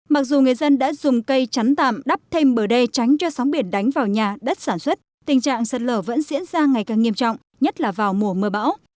mặc dù người dân đã dùng cây chắn tạm đắp thêm bờ đê tránh cho sóng biển đánh vào nhà đất sản xuất tình trạng sạt lở vẫn diễn ra ngày càng nghiêm trọng nhất là vào mùa mưa bão